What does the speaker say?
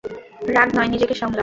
রাগ নয়, নিজেকে সামলাও।